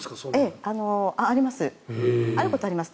あります。